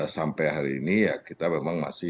tetapi sampai hari ini ya kita memang masih sembilan puluh